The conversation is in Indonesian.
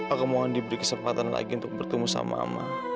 aku mohon diberi kesempatan lagi untuk bertemu sama sama